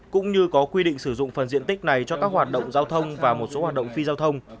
cũng như có quy định sử dụng phần diện tích này cho các hoạt động giao thông và một số hoạt động phi giao thông